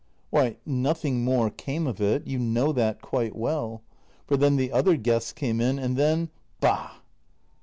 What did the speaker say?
Why, nothing more came of it. You know that quite well. For then the other guests came in, and then — bah!